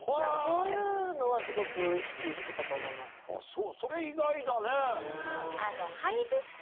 そうそれ意外だね。